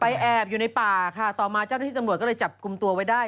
แอบอยู่ในป่าค่ะต่อมาเจ้าหน้าที่ตำรวจก็เลยจับกลุ่มตัวไว้ได้